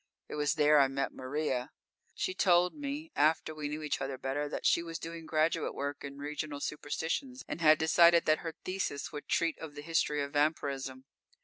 It was there I met Maria. She told me, after we knew each other better, that she was doing graduate work in regional superstitions and had decided that her thesis would treat of the history of vampirism.